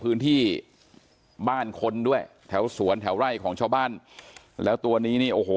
พื้นที่บ้านคนด้วยแถวสวนแถวไร่ของชาวบ้านแล้วตัวนี้นี่โอ้โห